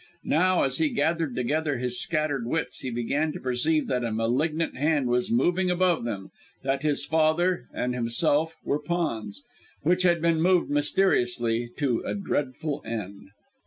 Now, as he gathered together his scattered wits, he began to perceive that a malignant hand was moving above them, that his father, and himself, were pawns, which had been moved mysteriously to a dreadful end.